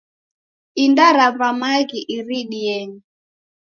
Inda rava maghi iridienyi.